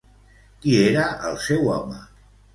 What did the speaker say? Qui era el seu home?